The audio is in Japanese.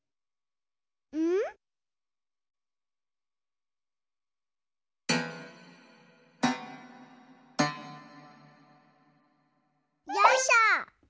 うん？よいしょ！